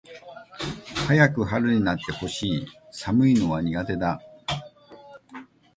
早く春になって欲しい。寒いのは苦手だ。